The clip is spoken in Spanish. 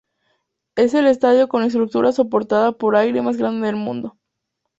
Es el estadio con estructura soportada por aire más grande del mundo.